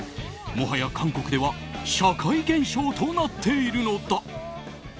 もはや韓国では社会現象となっているのだ。